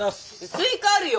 スイカあるよ。